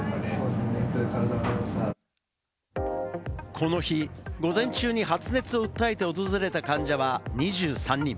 この日、午前中に発熱を訴えて訪れた患者は２３人。